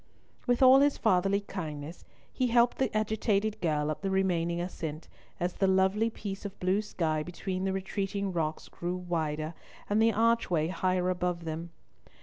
With all his fatherly kindness, he helped the agitated girl up the remaining ascent, as the lovely piece of blue sky between the retreating rocks grew wider, and the archway higher above them.